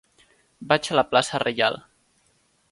Vaig a la plaça Reial.